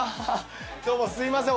どうもすいません